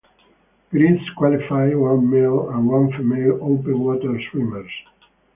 Greece qualified one male and one female open water swimmers.